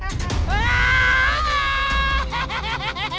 jangan naik jangan